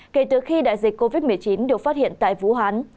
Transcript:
kể từ khi đại dịch covid một mươi chín được phát hiện tại vũ hán